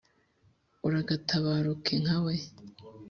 Uragatabaruka nka we.